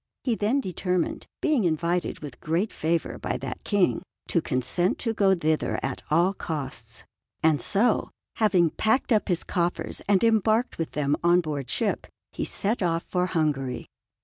He then determined, being invited with great favour by that King, to consent to go thither at all costs; and so, having packed up his coffers and embarked with them on board ship, he set off for Hungary.